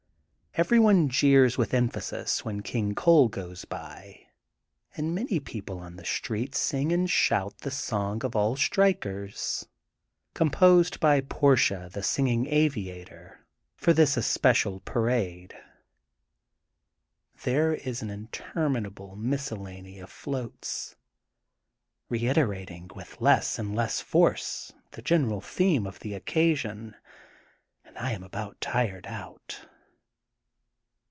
Everyone jeers with emphasis when King Coal goes by, and many people on the street sing and shout: — The Song for All Strik ers'' composed by Portia, the Singing Avi ator, for this especial parade. There is an interminable miscellany of floats, reiterating with less and less force, the general theme of the occasion, and I am about tired out.